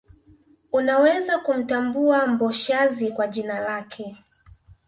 Unaweza kumtambua Mboshazi kwa jina lake